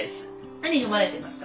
「何飲まれてますか？」。